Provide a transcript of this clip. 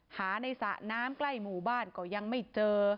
หาในสระน้ำใกล้หมู่บ้านก็ยังไม่เจอ